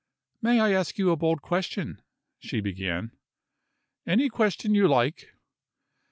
"May I ask you a bold question?" she began. "Any question you like."